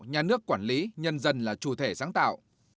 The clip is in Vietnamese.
nhà nước quản lý nhân dân là chủ thể sáng tạo